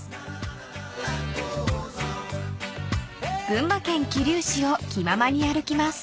［群馬県桐生市を気ままに歩きます］